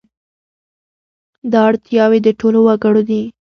دا اړتیاوې د ټولو وګړو دي.